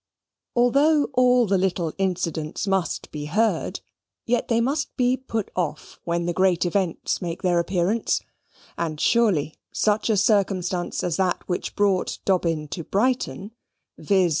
Although all the little incidents must be heard, yet they must be put off when the great events make their appearance; and surely such a circumstance as that which brought Dobbin to Brighton, viz.